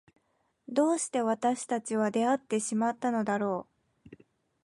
どうして私たちは出会ってしまったのだろう。